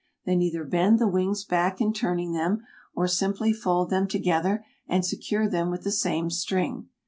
Then either bend the wings back in turning them, or simply fold them together and secure them with the same string.